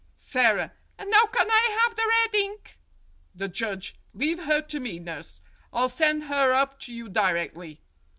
Sara : And now can I have the red ink ? The Judge : Leave her to me, nurse. I'll send her up to you directly.